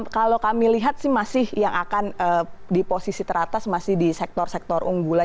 kalau kami lihat sih masih yang akan di posisi teratas masih di sektor sektor unggulan